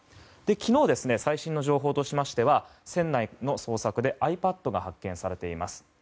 昨日、最新の情報としましては船内の捜索でｉＰａｄが発見されています。